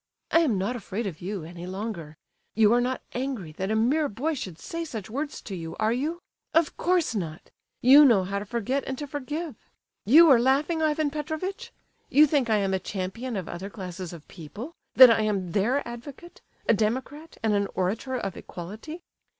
I am not afraid of you any longer. You are not angry that a mere boy should say such words to you, are you? Of course not! You know how to forget and to forgive. You are laughing, Ivan Petrovitch? You think I am a champion of other classes of people—that I am their advocate, a democrat, and an orator of Equality?"